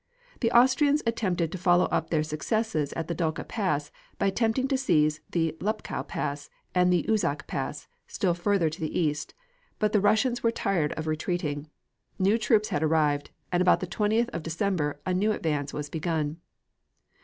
The Austrians attempted to follow up their successes at the Dukla Pass by attempting to seize the Lupkow Pass, and the Uzzok Pass, still further to the east, but the Russians were tired of retreating. New troops had arrived, and about the 20th of December a new advance was begun.